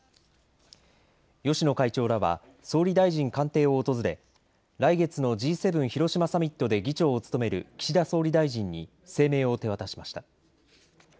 芳野会長らは総理大臣官邸を訪れ来月のＧ７広島サミットで議長を務める岸田総理大臣に声明を手渡しました。